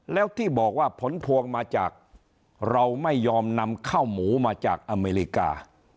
แล้วที่บอกว่าผลพวงมาจากเราไม่ยอมนำข้าวหมูมาจากอเมริกา